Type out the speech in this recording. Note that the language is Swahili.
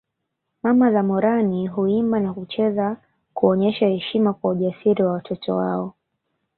Mama za Moran huimba na kucheza kuonyesha heshima kwa ujasiri wa watoto wao